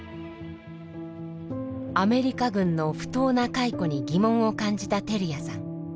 アメリカ軍の不当な解雇に疑問を感じた照屋さん。